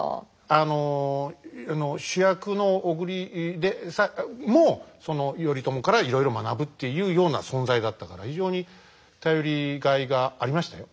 あの主役の小栗もその頼朝からいろいろ学ぶっていうような存在だったから非常に頼りがいがありましたよ。